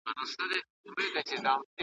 هېره سوې د زاړه قبر جنډۍ یم `